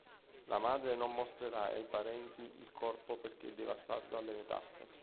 La madre non mostrerà ai parenti il corpo perché devastato dalle metastasi.